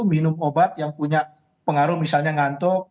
minum obat yang punya pengaruh misalnya ngantuk